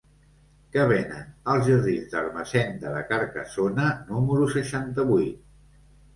Què venen als jardins d'Ermessenda de Carcassona número seixanta-vuit?